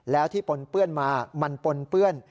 แล้วที่ปนเปื้อนมามันปนเปื้อน